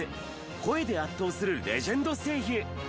声で圧倒するレジェンド声優。